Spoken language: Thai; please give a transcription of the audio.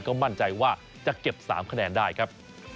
ก็มั่นใจว่าจะเก็บ๓คะแนนได้ครับ